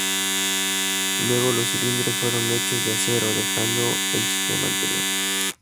Luego los cilindros fueron hechos de acero, dejando el sistema anterior.